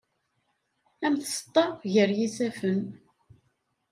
Am tseṭṭa gar yisaffen.